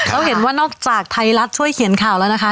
เราเห็นว่านอกจากไทยรัฐช่วยเขียนข่าวแล้วนะคะ